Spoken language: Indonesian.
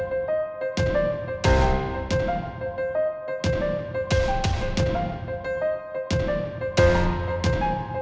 ternyata andi juga